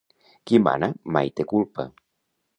Qui mana mai té culpa.